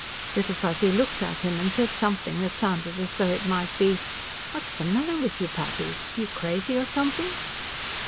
Little Fuzzy looked at him and said something that sounded as though it might be: "What's the matter with you, Pappy; you crazy or something?"